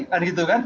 kan gitu kan